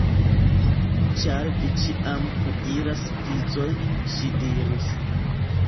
Ĉar vi ĉiam kuiras pizojn, ŝi diris.